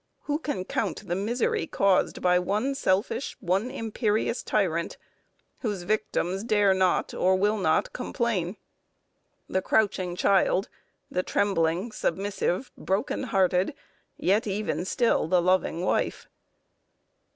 Who can count the misery caused by one selfish, one imperious tyrant, whose victims dare not, or will not, complain; the crouching child, the trembling, submissive, broken hearted, yet even still the loving wife?